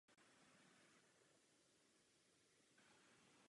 S ní v závěru filmu odjíždí za novou prací do severních Čech.